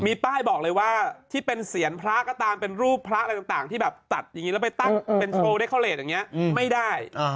มีป้ายบอกเลยว่าที่เป็นเสียงพระก็ตามเป็นรูปพระอะไรต่างที่แบบตัดอย่างนี้แล้วไปตั้งเป็นโชว์เดคอลเลสอย่างนี้ไม่ได้